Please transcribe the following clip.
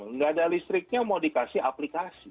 nggak ada listriknya mau dikasih aplikasi